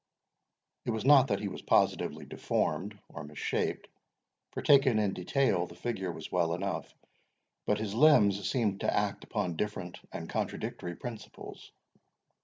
It was not that he was positively deformed, or misshaped, for, taken in detail, the figure was well enough. But his limbs seemed to act upon different and contradictory principles.